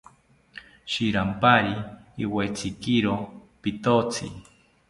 Shiranpari iwetzikiro pitotzi